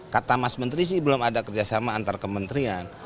kata mas menteri sih belum ada kerjasama antar kementerian